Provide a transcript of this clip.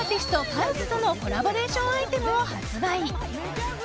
ＫＡＷＳとのコラボレーションアイテムを発売。